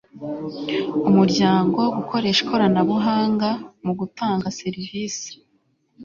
umuryango, gukoresha ikoranabunga mu gutanga serivisi